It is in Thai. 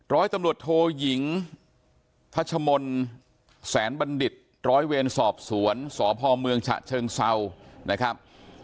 ร้อยตำรวจโทยิงทัชมนต์แสนบัณฑิตร้อยเวรสอบสวนสพเมืองฉะเชิงเศร้านะครับ